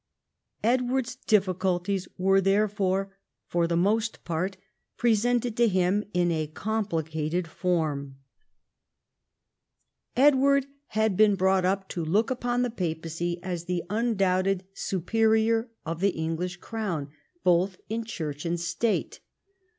Edward's difficulties were therefore for the most part presented to him in a complicated form. 152 EDWARD I chap. Edward had been brought up to look upon the papacy as the undoubted superior of the English crown, both in Church and State.